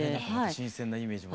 新鮮なイメージも。